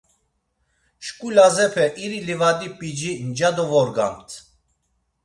Şǩu Lazepe iri livadi p̌ici nca dovorgamt.